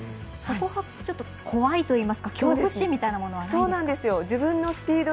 そこが、ちょっと怖いといいますか恐怖心みたいなものはないんですか？